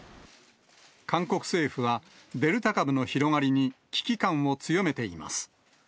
韓国政府は、デルタ株の広がりに危機感を強めています。